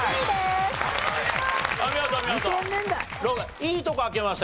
いいとこ開けました。